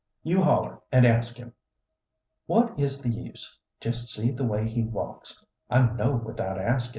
"You holler and ask him." "What is the use? Just see the way he walks; I know without askin'."